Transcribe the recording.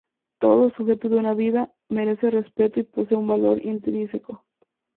Todo "sujeto de una vida" merece respeto y posee un valor intrínseco.